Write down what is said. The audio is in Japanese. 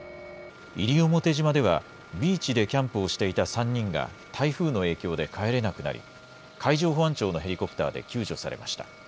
西表島では、ビーチでキャンプをしていた３人が、台風の影響で帰れなくなり、海上保安庁のヘリコプターで救助されました。